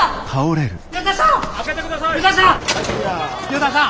依田さん！